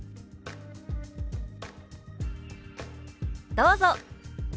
どうぞ！